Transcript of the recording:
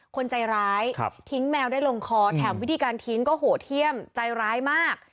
คนใจร้ายทิ้งแมวได้ลงคอแถมวิธีการทิ้งก็โหดเที่ยมใจร้ายมาก